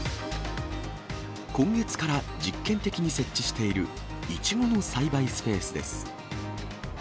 今月から実験的に設置している、イチゴの栽培スペースです。